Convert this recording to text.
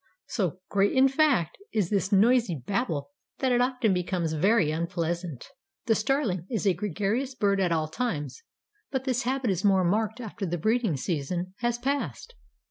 So great, in fact, is this noisy babble that it often becomes very unpleasant. The Starling is a gregarious bird at all times, but this habit is more marked after the breeding season has passed.